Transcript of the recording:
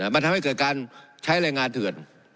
มันทำให้เกิดการใช้แรงงานเถื่อน